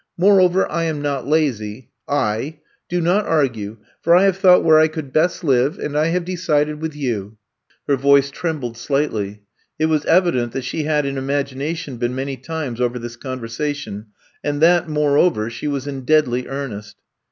Moreover, I am not lazy — I ! Do not argue, for I have thought where I could best live, 50 I*VE COMB TO STAY and I have decided with you I '' Her voice trembled slightly. It was evident that she had in imagination been many times over this conversation, and that, moreover, she was in deadly earnest.